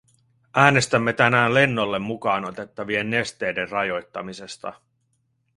Äänestämme tänään lennolle mukaan otettavien nesteiden rajoittamisesta.